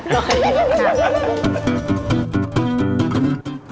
หน่อย